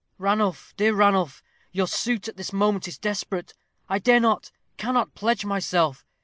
"Ranulph, dear Ranulph, your suit at this moment is desperate. I dare not, cannot pledge myself.